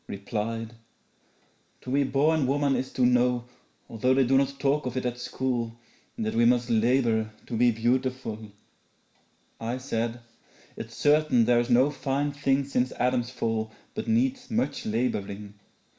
'There is one thing that all we women know Although we never heard of it at school, That we must labour to be beautiful.' I said, 'It's certain there is no fine thing Since Adam's fall but needs much labouring.